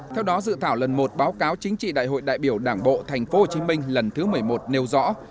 theo đó dự thảo lần một báo cáo chính trị đại hội đại biểu đảng bộ tp hcm lần thứ một mươi một nêu rõ